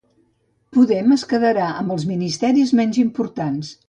Podem es quedarà amb els ministeris menys importants